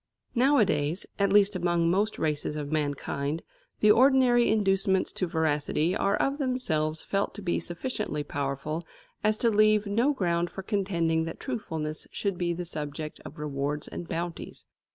Nowadays, at least among most races of mankind, the ordinary inducements to veracity are of themselves felt to be sufficiently powerful as to leave no ground for contending that truthfulness should be the subject of rewards and bounties.